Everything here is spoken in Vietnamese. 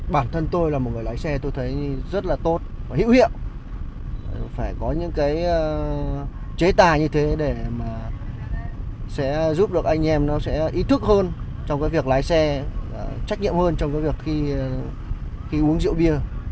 bản thân tôi là một người lái xe tôi thấy rất là tốt và hữu hiệu phải có những cái chế tài như thế để mà sẽ giúp được anh em nó sẽ ý thức hơn trong cái việc lái xe trách nhiệm hơn trong cái việc khi uống rượu bia